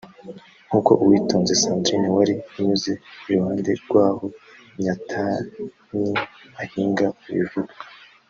nk’uko Uwitonze Sandrine wari unyuze iruhande rw’aho Nyatanyi ahinga abivuga